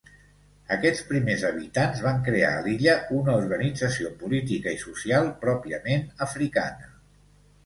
Aquests primers habitants van crear a l'illa una organització política i social pròpiament africana.